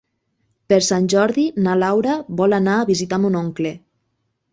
Per Sant Jordi na Laura vol anar a visitar mon oncle.